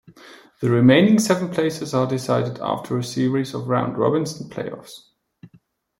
The remaining seven places are decided after a series of round robins and play-offs.